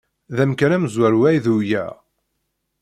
D amkan amezwaru ay d-uwyeɣ.